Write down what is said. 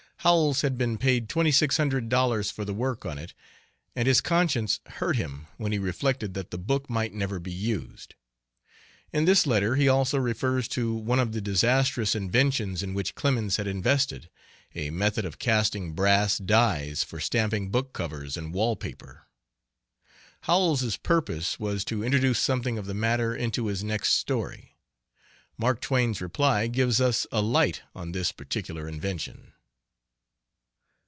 Howells had been paid twenty six hundred dollars for the work on it, and his conscience hurt him when he reflected that the book might never be used. In this letter he also refers to one of the disastrous inventions in which Clemens had invested a method of casting brass dies for stamping book covers and wall paper. Howells's purpose was to introduce something of the matter into his next story. Mark Twain's reply gives us a light on this particular invention.